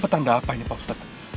tanda apa ini pak ustadz